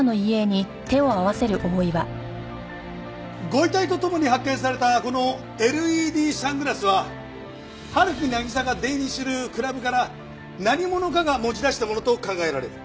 ご遺体と共に発見されたこのＬＥＤサングラスは陽木渚が出入りするクラブから何者かが持ち出したものと考えられる。